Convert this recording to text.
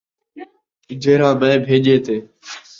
جِہڑا مَیں بھیڄے تے